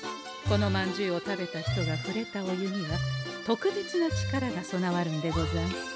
このまんじゅうを食べた人がふれたお湯には特別な力が備わるんでござんす。